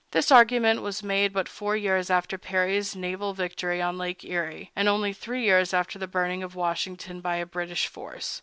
This agreement was made but four years after Perry's naval victory on Lake Erie, and only three years after the burning of Washington by a British force.